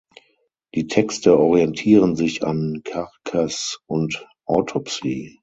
Die Texte orientieren sich an Carcass und Autopsy.